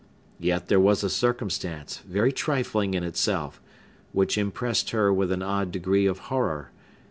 Yet there was a circumstance, very trifling in itself, which impressed her with an odd degree of horror.